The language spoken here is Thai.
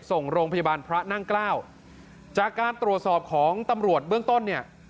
ส่งโรงพยาบาลพระนั่งเกล้าจากการตรวจสอบของตำรวจเบื้องต้นเนี่ย